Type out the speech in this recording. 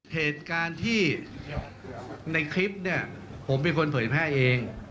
เหตุการณ์ที่ในคลิปเนี่ยผมเป็นคนเผยแพร่เอง